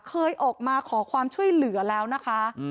เคยออกมาขอความช่วยเหลือแล้วนะคะ